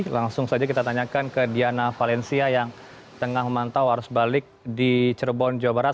langsung saja kita tanyakan ke diana valencia yang tengah memantau harus balik di cirebon jawa barat